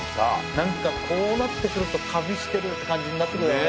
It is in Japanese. なんかこうなってくると旅してるって感じになってくるだろうね